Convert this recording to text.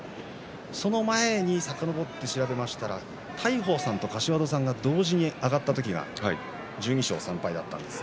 その前に、さかのぼって調べると大鵬さんと柏戸さんが同時に上がった時１２勝３敗だったんです。